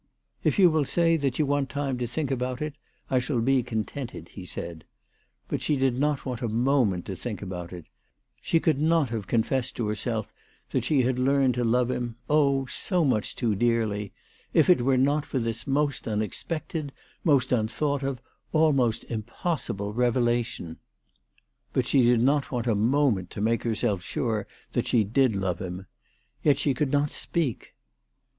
" If you will say that you want time to think about it, I shall be contented," he said. But she did not want a moment to think fibout it. She could not have confessed to herself that she had learned to love him, oh, so much too dearly, if it were not for this most unexpected, most unthought of, almost impossible reve 312 THE TELEGRAPH GIRL. lation. But she did not want a moment to make her self sure that she did love him. Yet she could not speak.